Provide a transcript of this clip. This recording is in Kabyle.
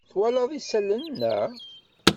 Twalaḍ isalan, naɣ?